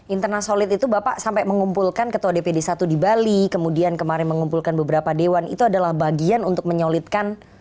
internal solid itu bapak sampai mengumpulkan ketua dpd satu di bali kemudian kemarin mengumpulkan beberapa dewan itu adalah bagian untuk menyolidkan